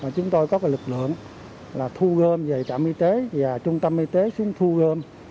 chúng tôi có lực lượng thu gom về trạm y tế và trung tâm y tế xuống thu gom